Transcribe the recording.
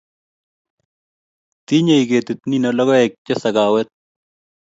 tinyei ketit nino logoek che sakawet